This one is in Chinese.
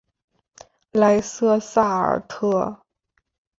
莱瑟萨尔特。